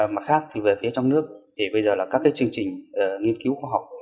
mặt khác thì về phía trong nước bây giờ là các chương trình nghiên cứu khoa học